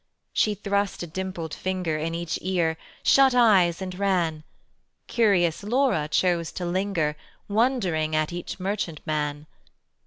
She thrust a dimpled finger In each ear, shut eyes and ran: Curious Laura chose to linger Wondering at each merchant man.